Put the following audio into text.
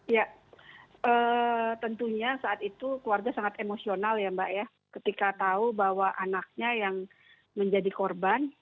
ya tentunya saat itu keluarga sangat emosional ya mbak ya ketika tahu bahwa anaknya yang menjadi korban